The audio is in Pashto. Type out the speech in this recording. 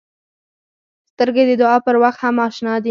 سترګې د دعا پر وخت هم اشنا دي